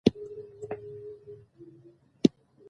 په افغانستان کې د آمو سیند لپاره طبیعي شرایط مناسب دي.